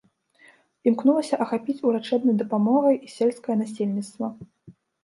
Імкнулася ахапіць урачэбнай дапамогай і сельскае насельніцтва.